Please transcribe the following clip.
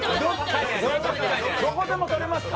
どこでも撮れますか？